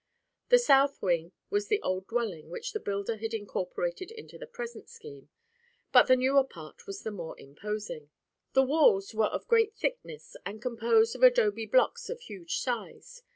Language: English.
The South Wing was the old dwelling which the builder had incorporated into the present scheme, but the newer part was the more imposing. The walls were of great thickness and composed of adobe blocks of huge size.